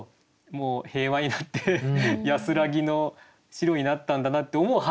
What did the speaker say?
もう平和になって安らぎの城になったんだなって思う